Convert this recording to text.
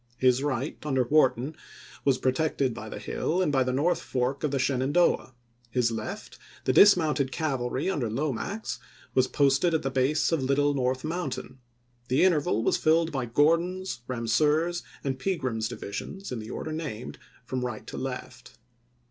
His right, under Wharton, was protected by the hill and by the north fork of the Shenandoah; his left, the dis mounted cavalry under Lomax, was posted at the base of Little North Mountain ; the interval was filled by Gordon's, Bamseur's, and Pegram's divi sions, in the order named, from right to left.